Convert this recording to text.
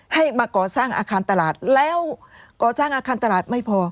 ให้มาก่อสร้างอาคารตลาดแล้วก่อสร้างอาคารตลาดไม่พอ